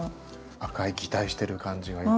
赤い擬態している感じがいい。